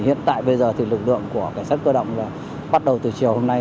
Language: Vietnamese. hiện tại bây giờ lực lượng của cảnh sát cơ động bắt đầu từ chiều hôm nay